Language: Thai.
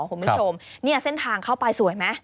คุณผู้ชมเนี่ยเส้นทางเข้าไปสวยไหม